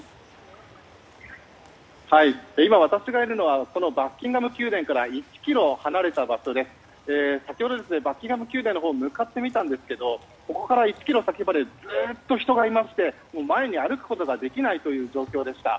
今、私がいるのはバッキンガム宮殿から１ｋｍ離れた場所で先ほどバッキンガム宮殿のほうに向かってみたんですけどここから１ｋｍ先までずっと人がいまして前に歩くことができないという状況でした。